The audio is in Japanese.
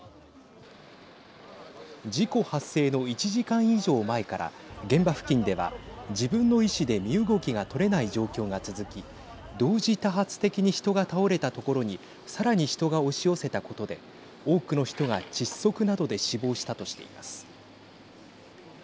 事故発生の１時間以上前から現場付近では、自分の意思で身動きが取れない状況が続き同時多発的に人が倒れたところにさらに人が押し寄せたことで多くの人が窒息などで死亡したとしています。